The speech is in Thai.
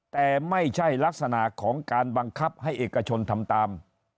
แต่ไม่ใช่ลักษณะของการบังคับให้เอกชนทำตาม